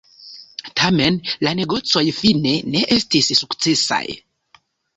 Tamen la negocoj fine ne estis sukcesaj.